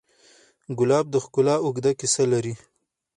ګلاب د ښکلا اوږده کیسه لري.